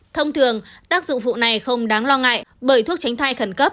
thông thường tác dụng vụ này không đáng lo ngại bởi thuốc tránh thai khẩn cấp